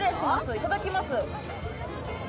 いただきます。